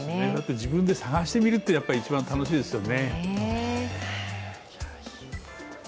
自分で探してみるのが一番楽しいですよね。